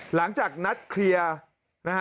หลังจากนัดเคลียร์